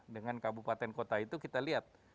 dengan kabupaten kota itu kita lihat